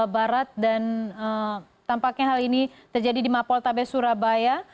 barat dan tampaknya hal ini terjadi di mapoltabes surabaya